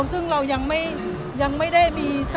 ว่ามันก็ยังไม่เศรษฐ์